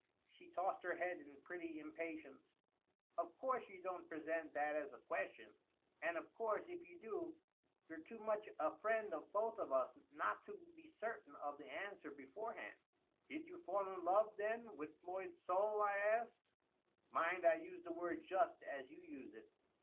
She tossed her head in pretty impatience. " Of course you don't present that as a question I And of course, if you do, you're too much a friend of both of us not to be certain of the answer beforehand." " Did you fall in love, then, with Floyd's soulf^ I asked. " Mind, I use the word just as you use it.